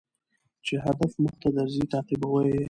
چي هدف مخته درځي تعقيبوه يې